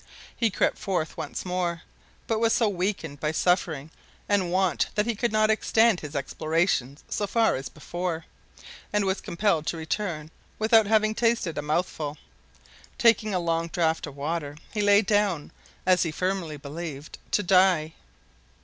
He crept forth once more, but was so weakened by suffering and want that he could not extend his explorations so far as before, and was compelled to return without having tasted a mouthful. Taking a long draught of water, he lay down, as he firmly believed, to die.